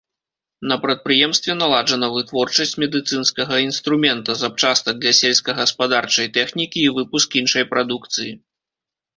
На прадпрыемстве наладжана вытворчасць медыцынскага інструмента, запчастак для сельскагаспадарчай тэхнікі і выпуск іншай прадукцыі.